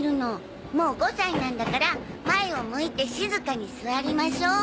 もう５歳なんだから前を向いて静かに座りましょう。